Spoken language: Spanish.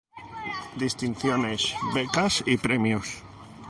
Distinciones, becas y premios